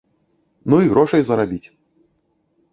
Ну і грошай зарабіць.